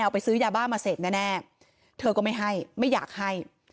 ไปซื้อยาบ้ามาเสพแน่เธอก็ไม่ให้ไม่อยากให้